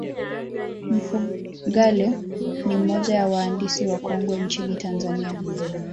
mfugale ni moja ya waandisi wakongwe nchini tanzania